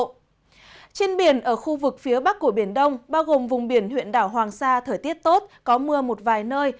trên biển ở khu vực phía bắc của biển đông bao gồm vùng biển huyện đảo hoàng sa thời tiết tốt có mưa một vài nơi